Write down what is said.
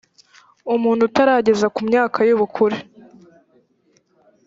umuntu utarageza ku myaka y ubukure